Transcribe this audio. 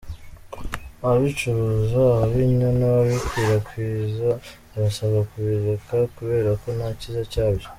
Ababicuruza, ababinywa, n’ababikwirakwiza barasabwa kubireka kubera ko nta cyiza cyabyo."